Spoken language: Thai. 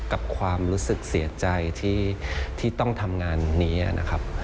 กับความรู้สึกเสียใจที่ต้องทำงานนี้นะครับ